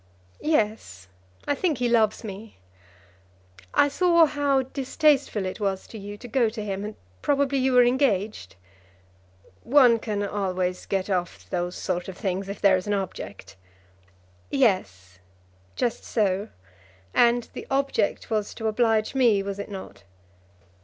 "Yes; I think he loves me. I saw how distasteful it was to you to go to him; and probably you were engaged?" "One can always get off those sort of things if there is an object." "Yes; just so. And the object was to oblige me; was it not?"